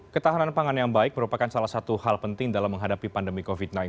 ketahanan pangan yang baik merupakan salah satu hal penting dalam menghadapi pandemi covid sembilan belas